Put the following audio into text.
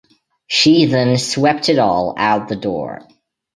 She then swept it all out the door.